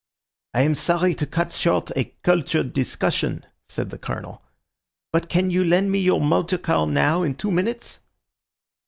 "I am sorry to cut short a cultured discussion," said the Colonel, "but can you lend me your motor car now, in two minutes?"